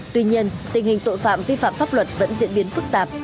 tuy nhiên tình hình tội phạm vi phạm pháp luật vẫn diễn biến phức tạp